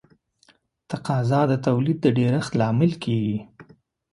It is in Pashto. تقاضا د تولید د ډېرښت لامل کیږي.